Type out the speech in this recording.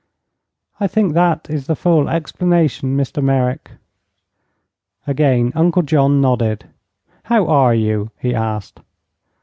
I think that is the full explanation, Mr. Merrick." Again Uncle John nodded. "How are you?" he asked.